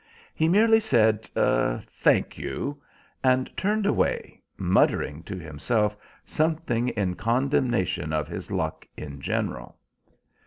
He merely said, "Thank you," and turned away, muttering to himself something in condemnation of his luck in general.